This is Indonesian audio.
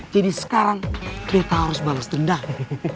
jadi sekarang beta harus balas dendam